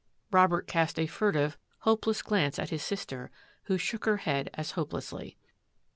Robert cast a furtive, hopeless glance at his sister, who shook her head as hopelessly.